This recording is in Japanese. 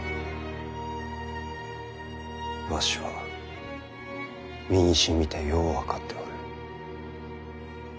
わしは身にしみてよう分かっておる。